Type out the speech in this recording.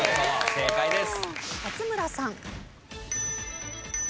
正解です。